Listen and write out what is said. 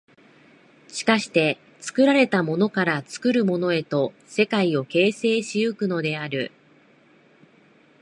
しかして作られたものから作るものへと世界を形成し行くのである。